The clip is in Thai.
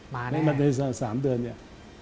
มาแน่ในสามเดือนนี้